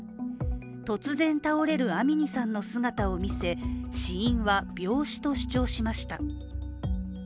突然、倒れるアミニさんの姿を見せ、死因は病死と主張しました。